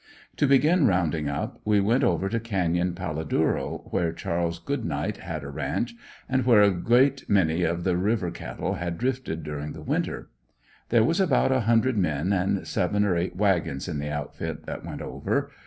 To begin rounding up, we went over to Canyon Paladuro, where Chas. Goodnight had a ranch, and where a great many of the river cattle had drifted during the winter. There was about a hundred men and seven or eight wagons in the outfit that went over.